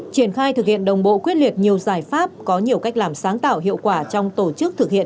triển khai thực hiện đồng bộ quyết liệt nhiều giải pháp có nhiều cách làm sáng tạo hiệu quả trong tổ chức thực hiện